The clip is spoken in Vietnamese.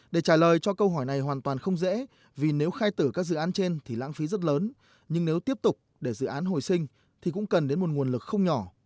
để trả lời cho câu hỏi này hoàn toàn không dễ vì nếu khai tử các dự án trên thì lãng phí rất lớn nhưng nếu tiếp tục để dự án hồi sinh thì cũng cần đến một nguồn lực không nhỏ